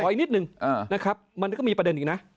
อีกนิดนึงนะครับมันก็มีประเด็นอีกนะ